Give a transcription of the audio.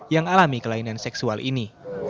yang alami kelainan seksual ini